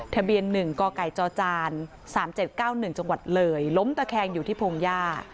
ทะเบียน๑กกจ๓๗๙๑จเลยล้มตะแคงอยู่ที่พงศ์ย่า